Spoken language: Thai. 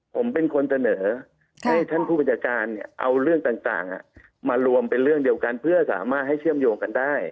ผมเป็นคนเสนอให้ท่านผู้บัญชาการเอาเรื่องต่างมารวมเป็นเรื่องเดียวกันเพื่อสามารถให้เชื่อมโยงกันได้